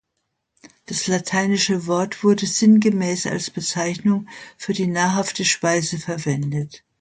Das lateinische Wort wurde sinngemäß als Bezeichnung für die nahrhafte Speise verwendet.